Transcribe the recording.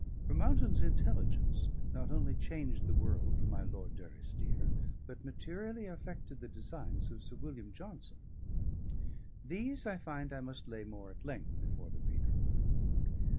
For Mountain's intelligence not only changed the world for my Lord Durrisdeer, but materially affected the designs of Sir William Johnson. These I find I must lay more at length before the reader.